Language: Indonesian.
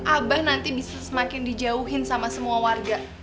abah nanti bisa semakin dijauhin sama semua warga